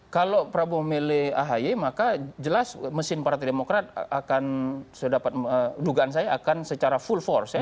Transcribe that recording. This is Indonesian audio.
kalau prabowo memilih ahy maka jelas mesin partai demokrat akan sedapat dugaan saya akan secara full force